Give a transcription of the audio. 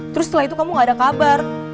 terus setelah itu kamu gak ada kabar